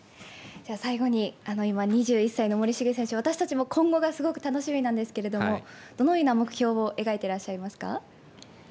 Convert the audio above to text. では最後に今２１歳の森重選手私たちも今後がすごく楽しみなんですがどのような目標を描いていらっしゃいますか？